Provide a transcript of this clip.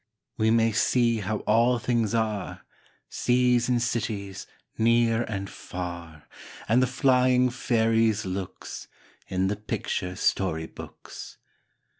We may see how all things are, Seas and cities, near and far, And the flying fairies' looks, In the picture story books.